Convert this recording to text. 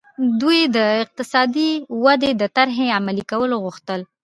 دوی د اقتصادي ودې د طرحې عملي کول غوښتل.